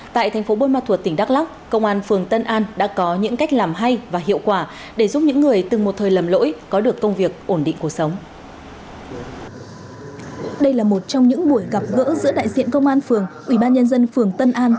tại thành phố bôn ma thuột tỉnh đắk lóc công an phường tân an đã có những cách làm hay và hiệu quả để giúp những người từng một thời lầm lỗi có được công việc ổn định cuộc sống